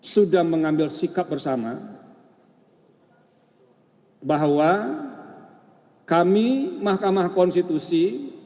sudah mengambil sikap bersama bahwa kami mahkamah konstitusi